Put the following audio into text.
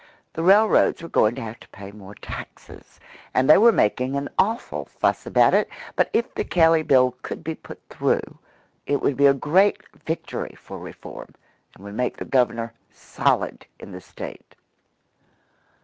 The railroads were going to have to pay more taxes, and they were making an awful fuss about it; but if the Kelley Bill could be put through it would be a great victory for reform, and would make the Governor "solid" in the State.